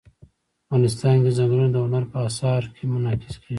افغانستان کې ځنګلونه د هنر په اثار کې منعکس کېږي.